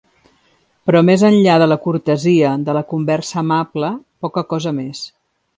Però, més enllà de la cortesia, de la conversa amable, poca cosa més.